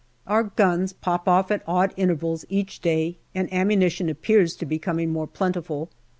Our guns poop off at odd intervals each day, and ammu nition appears to be becoming more plentiful.